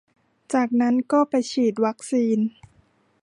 จากนั้นก็ไปฉีดวัคซีน